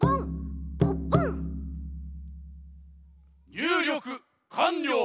にゅうりょくかんりょう。